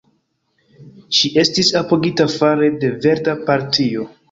Ŝi estis apogita fare de Verda Partio.